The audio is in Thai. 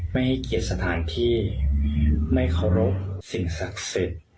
ไม่เคารพสิ่งศักดิ์สิทธิ์